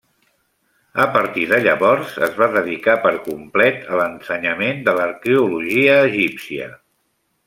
A partir de llavors es va dedicar per complet a l'ensenyament de l'arqueologia egípcia.